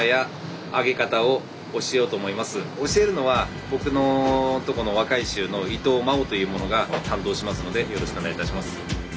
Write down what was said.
教えるのは僕のとこの若い衆の伊藤真生という者が担当しますのでよろしくお願いいたします。